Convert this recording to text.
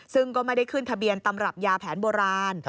ซึ่งก็ไม่ได้ขึ้นทะเบียนตำรับยาแผนโบราณ